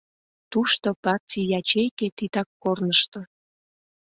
— Тушто партий ячейке титак корнышто...